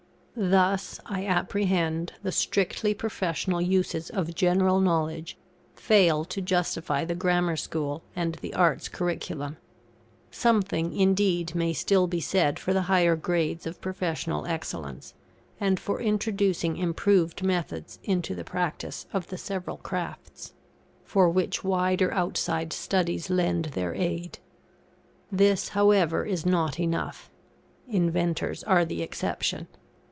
Thus, I apprehend, the strictly professional uses of general knowledge fail to justify the Grammar School and the Arts' curriculum. Something, indeed, may still be said for the higher grades of professional excellence, and for introducing improved methods into the practice of the several crafts; for which wider outside studies lend their aid. This, however, is not enough; inventors are the exception.